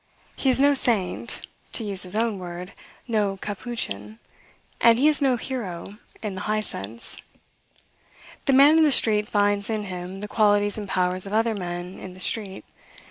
He is no saint, to use his own word, "no capuchin," and he is no hero, in the high sense. The man in the street finds in him the qualities and powers of other men in the street.